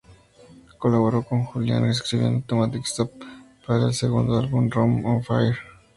Colaboró con Julian escribiendo ""Automatic Stop"", para el segundo álbum, Room On Fire.